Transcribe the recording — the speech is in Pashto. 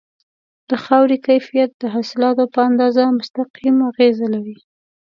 د خاورې کیفیت د حاصلاتو په اندازه مستقیم اغیز لري.